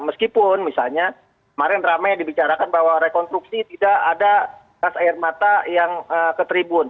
meskipun misalnya kemarin ramai dibicarakan bahwa rekonstruksi tidak ada kas air mata yang ketribun